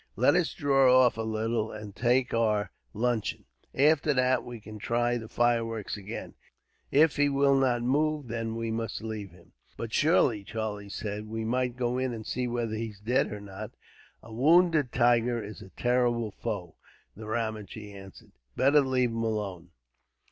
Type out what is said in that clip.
Let us draw off a little, and take our luncheon. After that, we can try the fireworks again. If he will not move, then we must leave him." "But surely," Charlie said, "we might go in and see whether he's dead or not." "A wounded tiger is a terrible foe," the Ramajee answered. "Better leave him alone."